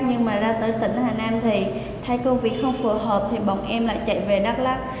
nhưng mà ra tới tỉnh hà nam thì thay công việc không phù hợp thì bọn em lại chạy về đắk lắc